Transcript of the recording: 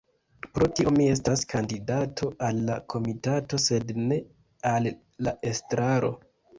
Pro tio mi estas kandidato al la komitato sed ne al la estraro.